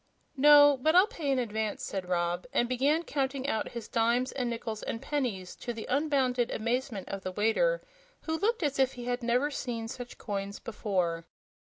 "No; but I'll pay in advance," said Rob, and began counting out his dimes and nickles and pennies, to the unbounded amazement of the waiter, who looked as if he had never seen such coins before.